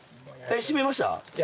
閉めました？